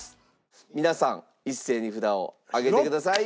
皆さん一斉に札を上げてください。